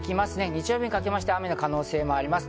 日曜日にかけて雨の可能性もあります。